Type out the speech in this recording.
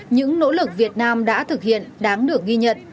những nỗ lực việt nam đã thực hiện đáng được ghi nhận